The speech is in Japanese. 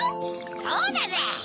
そうだぜ！